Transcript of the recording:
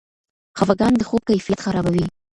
خفګان د خوب کیفیت خرابوي.